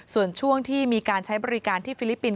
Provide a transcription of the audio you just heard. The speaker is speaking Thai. ส่วนช่วงที่มีการใช้บริการที่ฟิลิปปินส